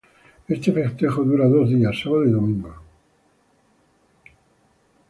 Este festejo dura dos días, sábado y domingo.